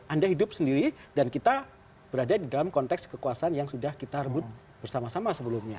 anda hidup sendiri dan kita berada di dalam konteks kekuasaan yang sudah kita rebut bersama sama sebelumnya